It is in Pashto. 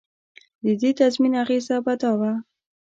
د دې تضمین اغېزه به دا وه.